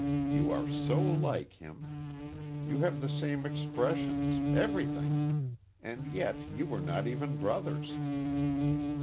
You are so like him. You have the same expressions everything. And yet you were not even brothers."